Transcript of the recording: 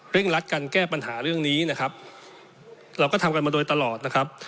เร่งรัดกันแก้ปัญหาเรื่องนี้เราก็ทำกันมาโดยตลอด